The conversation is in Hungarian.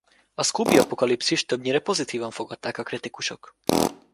A Scooby Apokalipszist többnyire pozitívan fogadták a kritikusok.